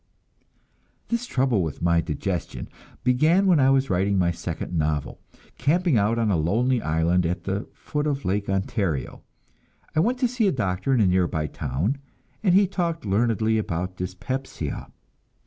This trouble with my digestion began when I was writing my second novel, camping out on a lonely island at the foot of Lake Ontario. I went to see a doctor in a nearby town, and he talked learnedly about dyspepsia.